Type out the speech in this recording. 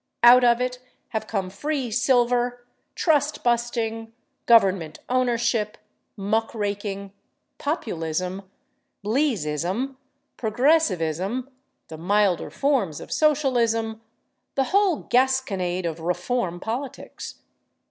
Out of it have come free silver, trust busting, government ownership, muck raking, Populism, Bleaseism, Progressivism, the milder forms of Socialism, the whole gasconade of "reform" politics.